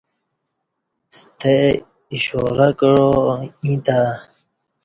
ستہ اشارہ کعا ییں تہ۔